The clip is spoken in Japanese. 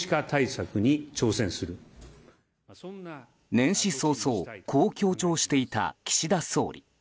年始早々、こう強調していた岸田総理。